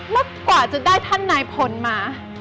มากกว่าจะได้ท่านนายพลมา